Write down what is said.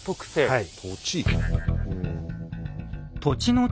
はい。